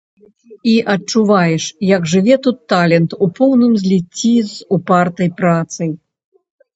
І адчуваеш, як жыве тут талент у поўным зліцці з упартай працай.